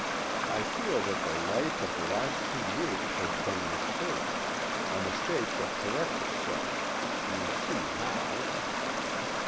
I feel that the life of the last two years has been a mistake—a mistake that corrects itself; you see how.